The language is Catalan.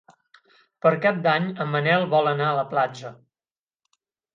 Per Cap d'Any en Manel vol anar a la platja.